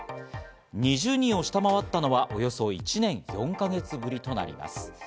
２０人を下回ったのはおよそ１年４か月ぶりとなります。